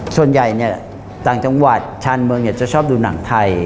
ส่วนใหญ่เนี่ยต่างจังหวัดชานเมืองจะชอบดูหนังไทย